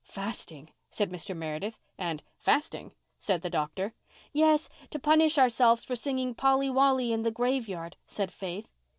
"Fasting!" said Mr. Meredith, and "Fasting?" said the doctor. "Yes—to punish ourselves for singing Polly Wolly in the graveyard," said Faith.